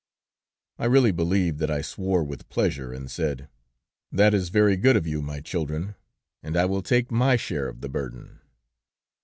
"I really believe that I swore with pleasure, and said: 'That is very good of you, my children, and I will take my share of the burden.'